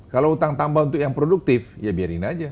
kalau utang tambah untuk yang produktif ya biarin aja